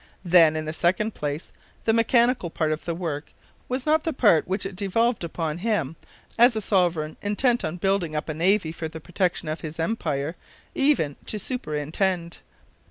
Then, in the second place, the mechanical part of the work was not the part which it devolved upon him, as a sovereign intent on building up a navy for the protection of his empire, even to superintend.